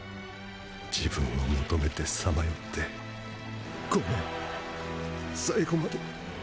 自分を求めてさ迷ってごめん最期まで。